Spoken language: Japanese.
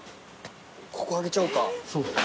ここ開けちゃおうか。